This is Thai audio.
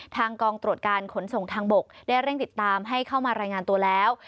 ทางกองตรวจการขนส่งทางบกได้เร่งติดตามให้เข้ามารายงานตัวแล้ว